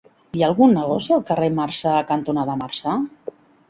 Hi ha algun negoci al carrer Marçà cantonada Marçà?